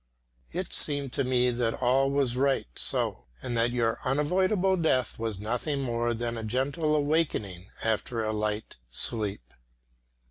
It seemed to me that all was right so, and that your unavoidable death was nothing more than a gentle awakening after a light sleep.